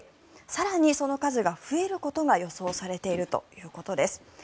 更にその数が増えることが予想されているということです。